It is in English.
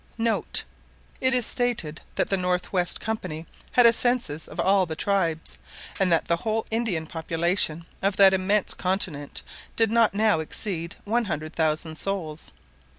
[* It is stated that the North West Company had a census of all the tribes, and that the whole Indian population of that immense continent did not now exceed 100,000 souls.